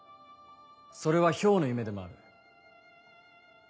それは漂の夢でもある。